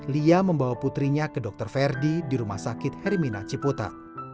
lia membawa putrinya ke dr verdi di rumah sakit hermina cipota